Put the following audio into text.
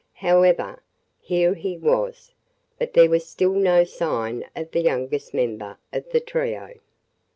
However, here he was, but there was still no sign of the youngest member of the trio.